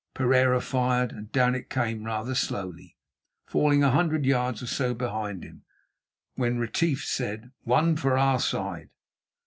Pereira fired, and down it came rather slowly, falling a hundred yards or so behind him, while Retief said: "One for our side."